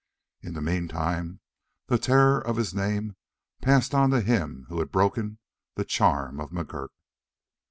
In the meantime the terror of his name passed on to him who had broken the "charm" of McGurk.